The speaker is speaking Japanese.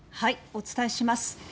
お伝えします。